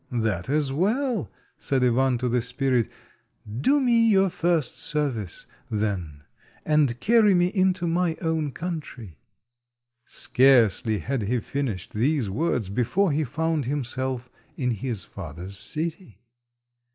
"That is well," said Ivan to the spirit. "Do me your first service, then, and carry me into my own country." Scarcely had he finished these words before he found himself in his father's city.